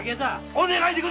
お願いです